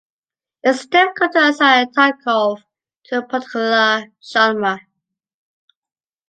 It’s difficult to assign Talkov to a particular genre.